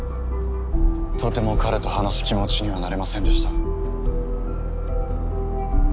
とても彼と話す気持ちにはなれませんでした。